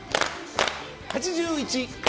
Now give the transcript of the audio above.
８１。